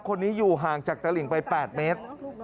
คนนี้อยู่ห่างจากตลิงไป๘เมตร